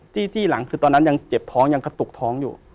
จี้หลังคือตอนนั้นยังเจ็บท้องยังกระตุกท้องอยู่